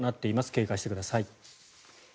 警戒してください。